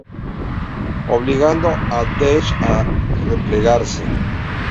Obligando a Daesh a replegarse.